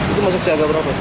itu masuk siaga berapa